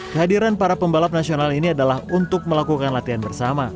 kehadiran para pembalap nasional ini adalah untuk melakukan latihan bersama